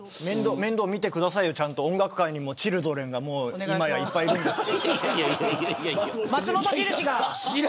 面倒見てくださいよちゃんと、音楽会にもチルドレンがいっぱいいるんですから。